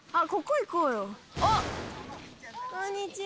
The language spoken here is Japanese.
こんにちは。